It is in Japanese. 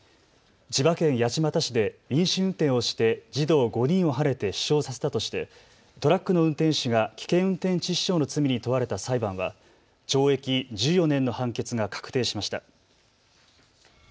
千葉県八街市で飲酒運転をして児童５人をはねて死傷させたとしてトラックの運転手が危険運転致死傷の罪に問われた裁判は懲役１４年の判決が確定しました。